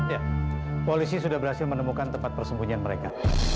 ya polisi sudah berhasil menemukan tempat persembunyian mereka